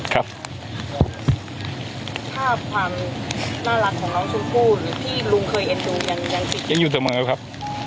ภาพความน่ารักของน้องชมพู่หรือที่ลุงเคยเอ็นดูยังอยู่เสมอครับ